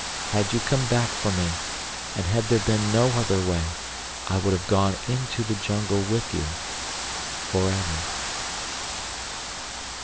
Had you come back for me, and had there been no other way, I would have gone into the jungle with you—forever."